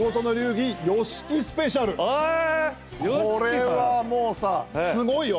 これは、もうさ、すごいよ。